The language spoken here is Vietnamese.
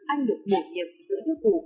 anh được bổ nhiệm giữ chức vụ